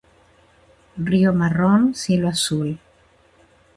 Rio marrón, cielo azul.